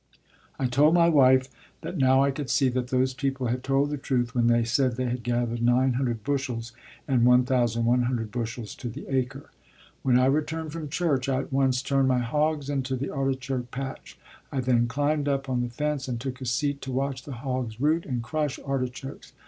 I told my wife that now I could see that those people had told the truth when they said they had gathered 900 bushels and 1,100 bushels to the acre. When I returned from church, I at once turned my hogs into the artichoke patch. I then climbed up on the fence and took a seat to watch the hogs root and crush artichokes.